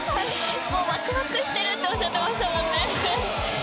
わくわくしているっておっしゃっていましたもんね。